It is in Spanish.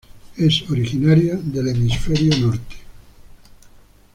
Es originaria del Hemisferio Norte.